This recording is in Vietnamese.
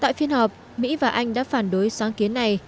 tại phiên họp mỹ và anh đã phản đối sáng kiến này